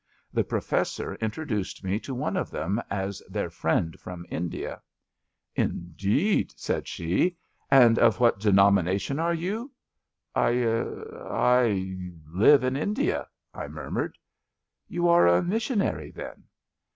The Professor introduced me to one of them as their friend from India. *^ Indeed," said she; '* and of what denomina tion are you? "*' I — ^I live in India," I murmured. You are a missionary, then?